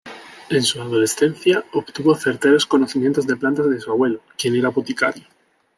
En su adolescencia, obtuvo certeros conocimientos de plantas de su abuelo, quien era boticario.